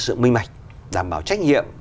sự minh mạch đảm bảo trách nhiệm